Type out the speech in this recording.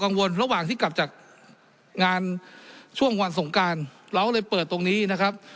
วนระหว่างที่กลับจากงานช่วงวันสงการเราเลยเปิดตรงนี้นะครับ